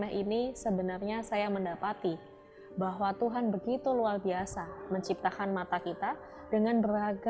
tuhan mengaruniai robin dengan kedua mata yang tak bisa melihat sejak ia lahir